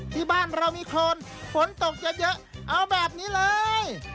ที่บ้านเรามีโครนฝนตกเยอะเอาแบบนี้เลย